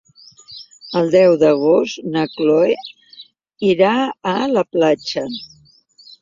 El deu d'agost na Cloè irà a la platja.